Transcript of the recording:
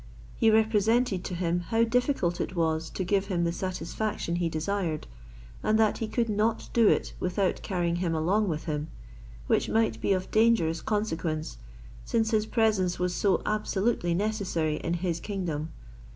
He represented to him how difficult it was to give him the satisfaction he desired, and that he could not do it without carrying him along with him; which might be of dangerous consequence, since his presence was so absolutely necessary in his kingdom.